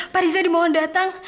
pak riza dimohon datang